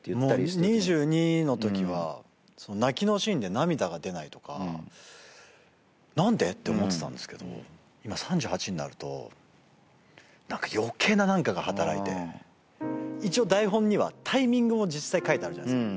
もう２２のときは泣きのシーンで涙が出ないとかなんで？って思ってたんですけど今３８になるとなんか余計な何かが働いて一応台本にはタイミングも実際書いてあるじゃないですか